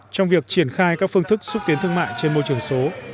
trong việc triển khai các phương thức xúc tiến thương mại trên môi trường số